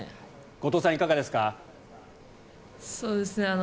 後藤さん、いかがですか？